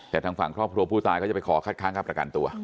แต่ทางฝั่งครอบครัวผู้ตายก็จะไปขอคัดค้างค่าประกันตัว